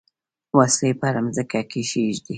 وسلې پر مځکه کښېږدي.